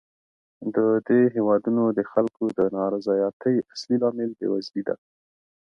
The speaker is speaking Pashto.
د دې هېوادونو د خلکو د نا رضایتۍ اصلي لامل بېوزلي ده.